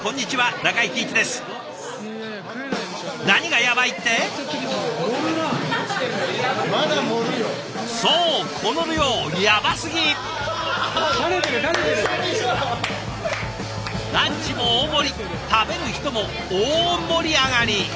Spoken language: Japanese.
ランチも大盛り食べる人も大盛り上がり！